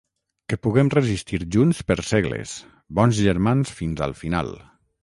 Que puguem resistir junts per segles, bons germans fins al final.